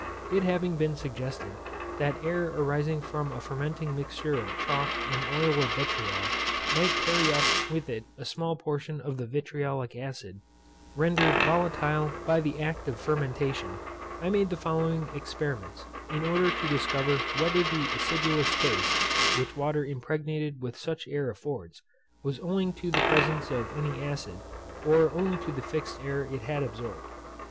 _ It having been suggested, that air arising from a fermenting mixture of chalk and oil of vitriol might carry up with it a small portion of the vitriolic acid, rendered volatile by the act of fermentation; I made the following experiments, in order to discover whether the acidulous taste, which water impregnated with such air affords, was owing to the presence of any acid, or only to the fixed air it had absorbed.